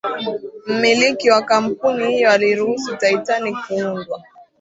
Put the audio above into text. mmliki wa kampuni hiyo aliruhusu titanic kuundwa